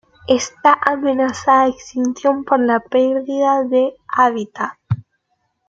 Está amenazada de extinción por la perdida de hábitat.